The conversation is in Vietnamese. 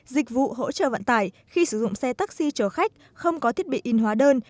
dịch vụ hỗ trợ vận tải khi sử dụng xe taxi chở khách không có thiết bị in hóa đơn